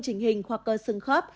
trình hình khoa cơ sừng khớp